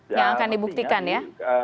yang akan dibuktikan ya